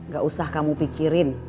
gak usah kamu pikirin